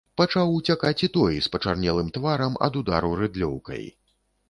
Пачаў уцякаць і той, з пачарнелым тварам ад удару рыдлёўкай.